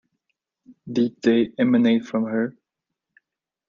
Did they emanate from her?